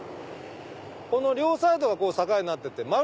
この両サイドが境になってて。